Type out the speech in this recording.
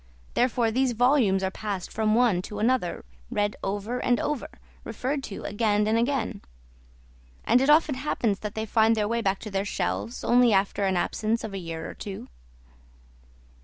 Therefore, these volumes are passed from one to another, read over and over, referred to again and again; and it often happens that they find their way back to their shelves only after an absence of a year or two."